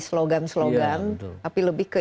slogan slogan tapi lebih ke